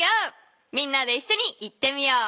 みんなでいっしょに言ってみよう。